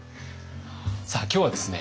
さあ今日はですね